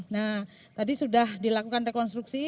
nah tadi sudah dilakukan rekonstruksi